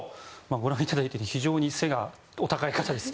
ご覧いただいているように非常に背がお高い方です。